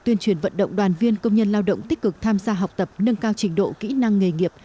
tuyên truyền vận động đoàn viên công nhân lao động tích cực tham gia học tập nâng cao trình độ kỹ năng nghề nghiệp